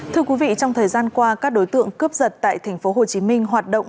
thưa quý vị trong thời gian qua các đối tượng cướp giật tại tp hcm hoạt động